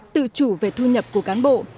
tự chủ về thu nhập của cán bộ